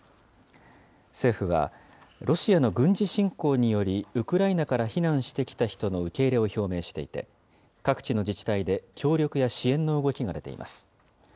政府は、ロシアの軍事侵攻により、ウクライナから避難してきた人の受け入れを表明していて、各地の自治体で協力や支援の動きが出ています。